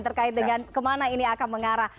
terkait dengan kemana ini akan mengarah